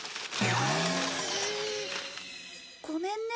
ごめんね。